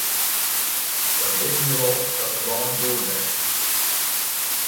Dan witte je wol dat de bân goed west hie.